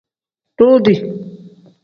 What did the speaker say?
Duudi.